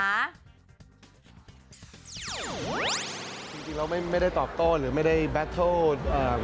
จริงแล้วไม่ได้ตอบโต้หรือไม่ได้แบตเติล